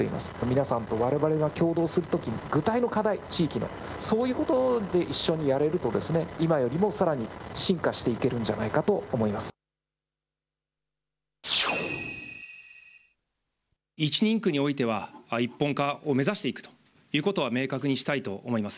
皆さんとわれわれがきょうどうするときに、具体の課題、地域の、そういうことで一緒にやれると、今よりもさらに進化していけるん１人区においては、一本化を目指していくということは、明確にしたいと思います。